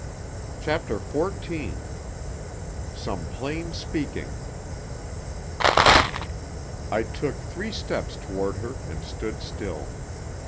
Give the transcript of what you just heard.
CHAPTER XIV SOME PLAIN SPEAKING I took three steps toward her and stood still.